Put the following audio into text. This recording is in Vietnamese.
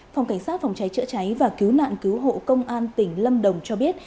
phòng cảnh sát phòng cháy chữa cháy và cứu nạn cứu hộ công an tỉnh lâm đồng cho biết